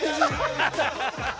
ハハハハハ。